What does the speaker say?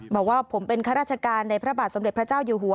บอกว่าผมเป็นข้าราชการในพระบาทสมเด็จพระเจ้าอยู่หัว